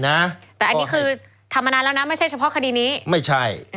แต่อันนี้คือทำมานานแล้วนะไม่ใช่เฉพาะคดีนี้ไม่ใช่